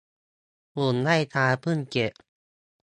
หุ่นไล่กาเพิ่งเสร็จ